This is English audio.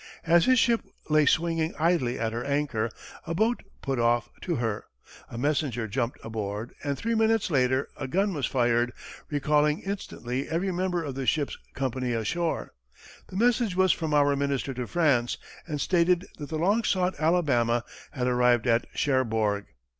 As his ship lay swinging idly at her anchor, a boat put off to her, a messenger jumped aboard, and three minutes later a gun was fired, recalling instantly every member of the ship's company ashore. The message was from our minister to France and stated that the long sought Alabama had arrived at Cherbourg.